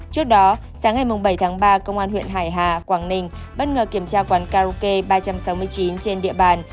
trước đó sáng ngày bảy tháng ba công an huyện hải hà quảng ninh bất ngờ kiểm tra quán karaoke ba trăm sáu mươi chín trên địa bàn